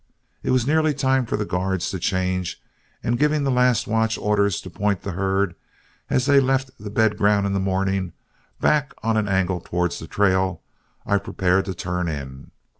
It was nearly time for the guards to change, and giving the last watch orders to point the herd, as they left the bed ground in the morning, back on an angle towards the trail, I prepared to turn in.